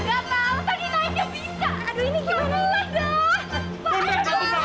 aduh ini gimana